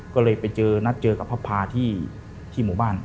ก็เลยไปเจอนัดเจอกับพระพาที่หมู่บ้าน